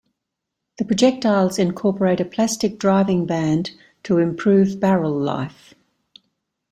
The projectiles incorporate a plastic driving band to improve barrel life.